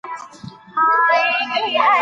د روغتیا نړیوال سازمان شمېرې خپرې کړې.